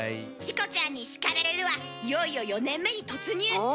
「チコちゃんに叱られる！」はいよいよ４年目に突入！